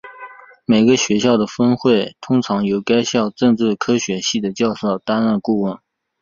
每个学校的分会通常由该校政治科学系的教授担任顾问。